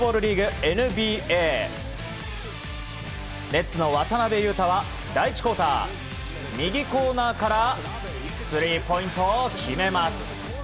ネッツの渡邊雄太は第１クオーター右コーナーからスリーポイントを決めます。